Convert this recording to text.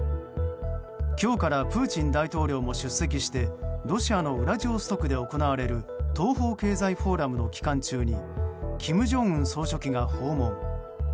今日からプーチン大統領も出席してロシアのウラジオストクで行われる東方経済フォーラムの期間中に金正恩総書記が訪問。